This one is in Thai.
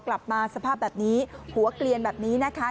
สภาพแบบนี้หัวเกลียนแบบนี้นะคะ